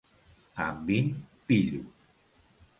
A Enviny, pillos.